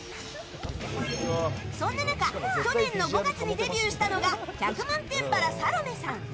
そんな中去年の５月にデビューしたのが壱百満天原サロメさん！